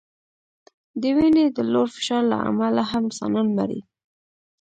د وینې د لوړ فشار له امله هم انسانان مري.